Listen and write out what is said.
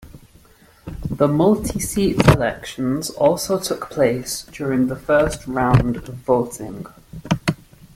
The multi-seat elections also took place during the first round of voting.